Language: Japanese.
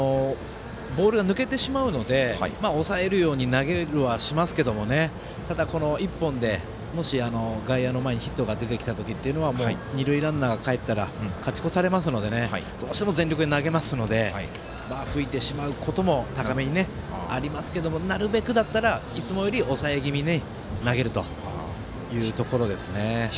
ボールが抜けてしまうので押さえるように投げることはしますがただ１本で、もし外野の前にヒットが出てきた時というのは二塁ランナーが、かえったら勝ち越されますのでどうしても全力で投げるので高めに浮いてしまうこともありますけどなるべくいつもより抑え気味に投げるというところですね。